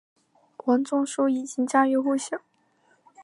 王仲殊已经家喻户晓。